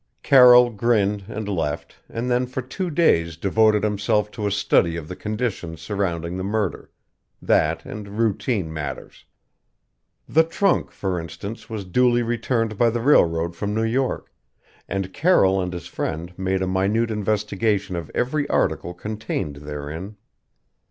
Carroll grinned and left, and then for two days devoted himself to a study of the conditions surrounding the murder that and routine matters. The trunk, for instance, was duly returned by the railroad from New York, and Carroll and his friend made a minute investigation of every article contained therein.